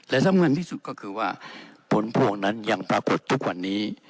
และสำคัญที่สุดก็คือว่าผลพวงนั้นยังปรากฏทุกวันนี้